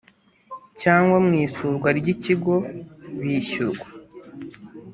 cyangwa mu isurwa ry ikigo bishyirwa